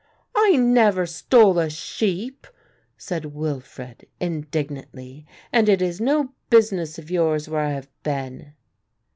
"I never stole a sheep," said Wilfred indignantly, "and it is no business of yours where I have been."